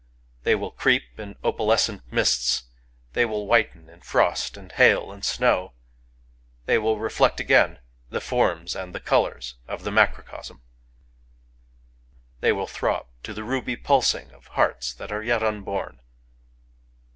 They will creep in opalescent mists ;— they will whiten in frost and hail and snow; — they will reflect again the forms and the colours of the macrocosm ; they will throb to the ruby pulsing of hearts that are yet unborn.